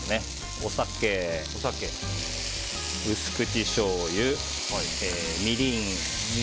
お酒、薄口しょうゆ、みりん。